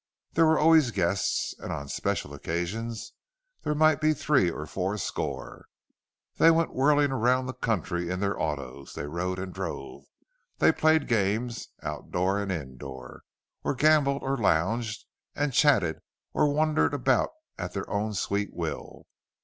There were always guests, and on special occasions there might be three or four score. They went whirling about the country in their autos; they rode and drove; they played games, outdoor and indoor, or gambled, or lounged and chatted, or wandered about at their own sweet will.